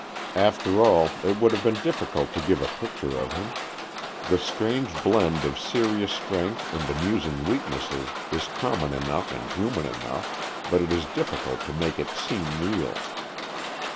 After all, it would have been difficult to give a picture of him ; the strange blend of serious strength and amusing weaknesses is common enough and human enough ; but it is difficult to make it seem real.